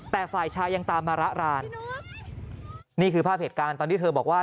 แต่ฝ่ายชายยังตามมาระรานนี่คือภาพเหตุการณ์ตอนที่เธอบอกว่า